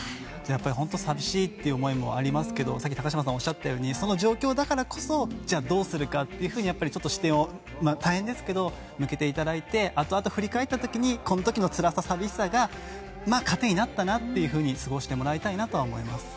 本当に寂しいという思いもありますけどさっき高島さんがおっしゃったようにその状況だからこそじゃあ、どうするかとちょっと大変ですけど、視点を向けていただいてあとあと振り返った時にこの時のつらさ、悔しさが糧になったなと過ごしてもらいたいと思います。